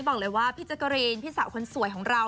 บอกเลยว่าพี่แจ๊กกะรีนพี่สาวคนสวยของเรา